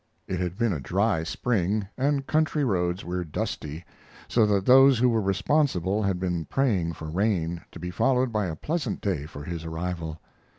It had been a dry spring, and country roads were dusty, so that those who were responsible had been praying for rain, to be followed by a pleasant day for his arrival.